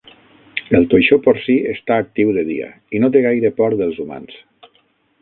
El toixó porcí està actiu de dia i no té gaire por dels humans.